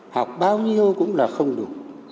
học bao nhiêu cũng là không đủ